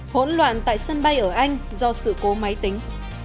hỗn loạn tại sân bay ở anh do sự cố máy tính